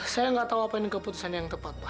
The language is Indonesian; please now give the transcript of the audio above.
saya nggak tahu apa ini keputusan yang tepat pak